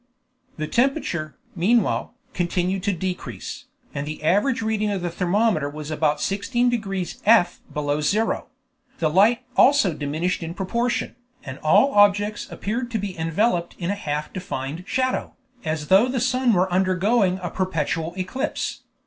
The temperature, meanwhile, continued to decrease, and the average reading of the thermometer was about 16 degrees F. below zero; the light also diminished in proportion, and all objects appeared to be enveloped in a half defined shadow, as though the sun were undergoing a perpetual eclipse.